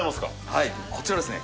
はいこちらですね